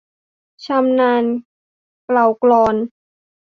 ชำนาญเกลากลอน